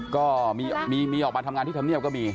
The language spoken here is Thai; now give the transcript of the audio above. ก็มีออกมาทำงานที่ธรรมเนียบก็มี